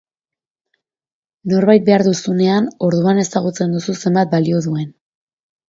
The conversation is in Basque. Norbait behar duzunean orduan ezagutzen duzu zenbat balio duen.